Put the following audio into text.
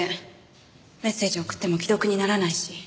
メッセージ送っても既読にならないし。